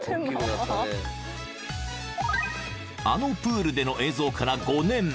［あのプールでの映像から５年］